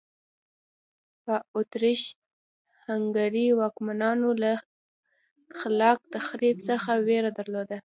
په اتریش هنګري واکمنانو له خلاق تخریب څخه وېره درلوده.